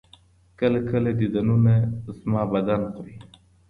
كله ،كله ديدنونه زما بــدن خــوري